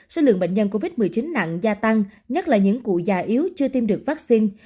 số lượng bệnh nhân covid một mươi chín nặng gia tăng nhất là những cụ già yếu chưa tiêm được vaccine